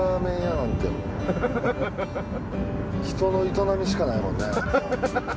人の営みしかないもんね。